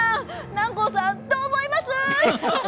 南光さんどう思います？